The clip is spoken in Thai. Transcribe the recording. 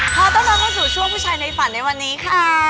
ขอต้อนรับเข้าสู่ช่วงผู้ชายในฝันในวันนี้ค่ะ